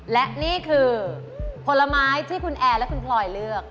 และนี่คือผลไม้ที่คุณแอร์และคุณพลอยเลือก